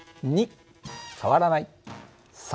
２変わらない。